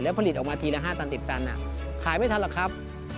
ผลิตออกมาทีละ๕ตันติดตันขายไม่ทันหรอกครับ